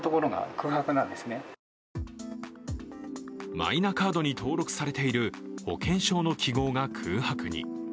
マイナカードに登録されている保険証の記号が空白に。